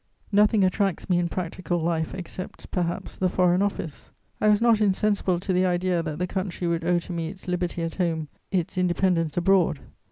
Nothing attracts me in practical life, except, perhaps, the Foreign Office. I was not insensible to the idea that the country would owe to me its liberty at home, its independence abroad.